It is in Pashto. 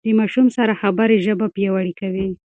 د ماشوم سره خبرې ژبه پياوړې کوي.